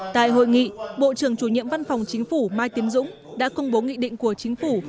tại hội nghị bộ trưởng chủ nhiệm văn phòng chính phủ mai tiến dũng đã công bố nghị định của chính phủ